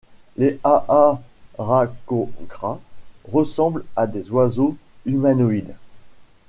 Les Aarakocra ressemblent à des oiseaux humanoïdes.